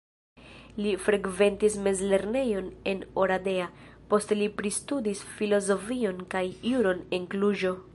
Li frekventis mezlernejon en Oradea, poste li pristudis filozofion kaj juron en Kluĵo.